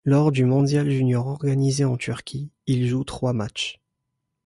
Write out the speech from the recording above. Lors du mondial junior organisé en Turquie, il joue trois matchs.